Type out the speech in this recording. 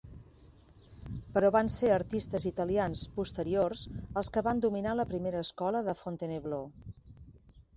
Però van ser artistes italians posteriors els que van dominar la primera escola de Fontainebleau.